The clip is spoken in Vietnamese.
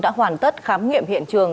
đã hoàn tất khám nghiệm hiện trường